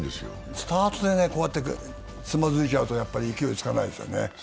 スタートでつまずいちゃうと勢いつかないですよね。